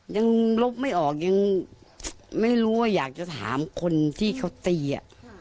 ลบไม่ออกยังไม่รู้ว่าอยากจะถามคนที่เขาตีอ่ะ